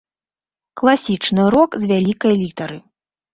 Класічны рок з вялікай літары.